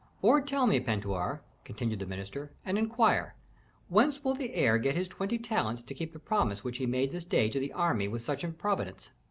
"Or tell me, Pentuer," continued the minister, "and inquire: whence will the heir get his twenty talents to keep the promise which he made this day to the army with such improvidence?